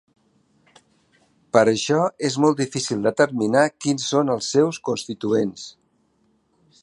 Per això, és molt difícil determinar quins són els seus constituents.